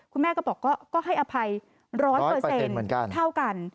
คุณแม่ก็บอกก็ให้อภัยร้อยเปอร์เซ็นต์เท่ากัน